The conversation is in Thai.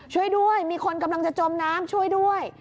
ช่วยด้วยมีคนกำลังจะจมน้ำช่วยด้วย